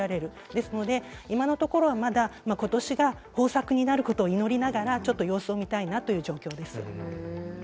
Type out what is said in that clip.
ですので今のところまだことしが豊作になることを祈りながら様子を見たいなという状況です。